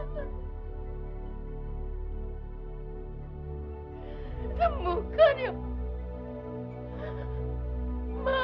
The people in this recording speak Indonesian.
sembuhkan ya allah